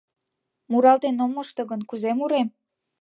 Муралтен ом мошто гын, кузе мурем?